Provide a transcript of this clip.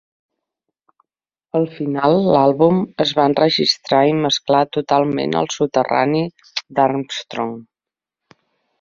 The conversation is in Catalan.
Al final, l'àlbum es va enregistrar i mesclar totalment al soterrani d'Armstrong.